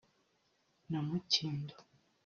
na Mukindo